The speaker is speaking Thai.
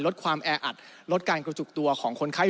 ลดความแออัดลดการกระจุกตัวของคนไข้